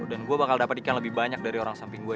dan gue bakal dapet ikan lebih banyak dari orang samping gue